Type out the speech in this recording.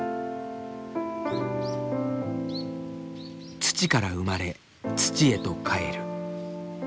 土から生まれ土へと返る。